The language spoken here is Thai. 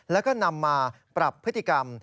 แล้วก็นำมาปรับพฤติกรรม